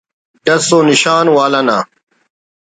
ڈس و نشان والا نا